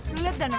lo liat dah nol